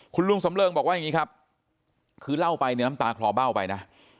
คุณลุงสำเริงบอกว่าอย่างนี้ครับคือเล่าไปเนี่ยน้ำตาคลอเบ้าไปนะ